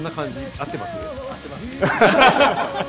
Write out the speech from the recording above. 合ってます。